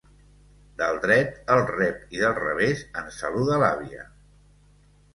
Del dret el rep i del revés en saluda l'àvia.